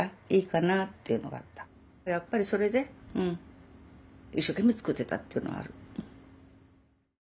やっぱりそれで一生懸命作ってたっていうのはある。